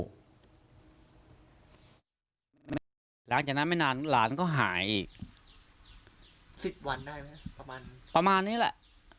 หลังจากนั้นไม่นานหลานก็หายอีกสิบวันได้ไหมประมาณประมาณนี้แหละ